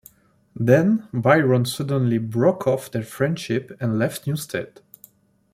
Then Byron suddenly broke off their friendship and left Newstead.